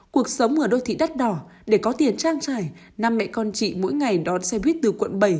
cuộc sống ở đô thị đắt đỏ để có tiền trang trải năm mẹ con chị mỗi ngày đón xe buýt từ quận bảy